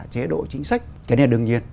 chế độ chính sách thế này là đương nhiên